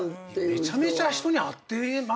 めちゃめちゃ人に会ってますもんね。